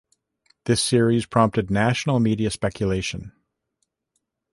This series prompted national media speculation.